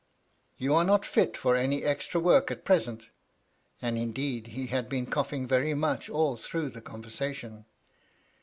"You are not fit for any extra work at present," (and indeed he had been coughing very much all through the conversation).